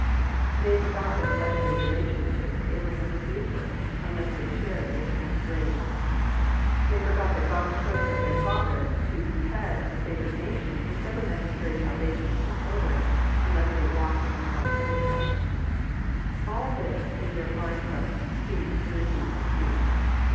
They forgot that fleshly relationship to Abraham was useless, unless they shared Abraham's grace. They forgot that God's choice of their father to be head of a favoured nation was never meant to carry salvation to the children, unless they walked in their father's footsteps. All this in their blind self conceit they refused to see.